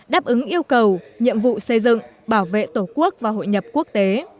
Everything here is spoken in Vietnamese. đáp ứng yêu cầu nhiệm vụ xây dựng bảo vệ tổ quốc và hội nhập quốc tế